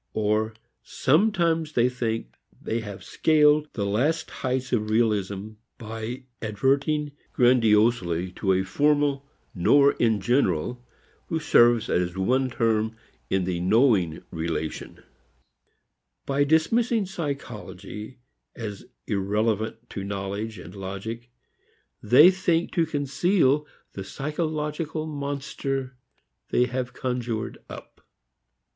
Or sometimes they think they have scaled the last heights of realism by adverting grandiosely to a formal knower in general who serves as one term in the knowing relation; by dismissing psychology as irrelevant to knowledge and logic, they think to conceal the psychological monster they have conjured up.